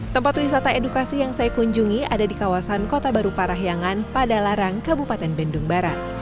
tempat wisata edukasi yang saya kunjungi ada di kawasan kota baru parahyangan pada larang kabupaten bandung barat